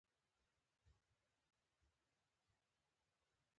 ضروري څیزونه پکې کښېږدي.